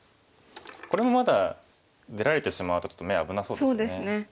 これもまだ出られてしまうとちょっと眼危なそうですよね。